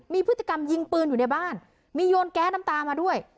มีพฤติกรรมยิงปืนอยู่ในบ้านมีโยนแก๊สน้ำตามาด้วย